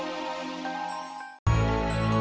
aku tuh mencintai kamu